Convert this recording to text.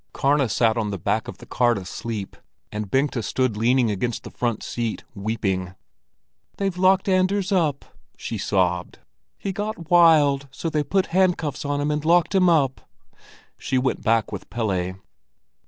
Karna sat at the back of the cart asleep, and Bengta stood leaning against the front seat, weeping. "They've locked Anders up," she sobbed. "He got wild, so they put handcuffs on him and locked him up." She went back with Pelle.